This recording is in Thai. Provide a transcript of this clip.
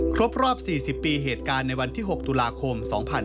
ครบรอบ๔๐ปีเหตุการณ์ในวันที่๖ตุลาคม๒๕๕๙